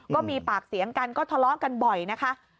ก็มีปากเสียงกันก็ทะเลาะกันบ่อยนะคะ